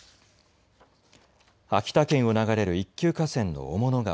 秋田県を流れる一級河川の雄物川。